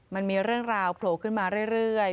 มันมีเรื่องราวโผล่ขึ้นมาเรื่อย